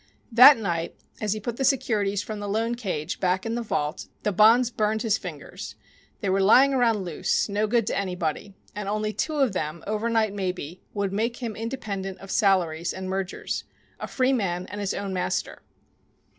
That night as he put the securities from the "loan cage" back in the vault the bonds burned his fingers. They were lying around loose, no good to anybody, and only two of them, overnight maybe, would make him independent of salaries and mergers a free man and his own master.